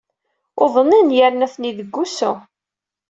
Uḍnen yerna atni deg wusu.